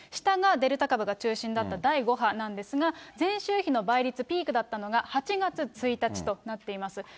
下がデルタ株が中心だった第５波なんですが、前週比の倍率、ピークだったのが８月１日となっています。